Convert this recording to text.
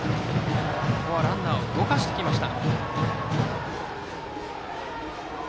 ここはランナーを動かしてきた。